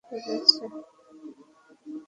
অনেক কাজ পড়ে আছে।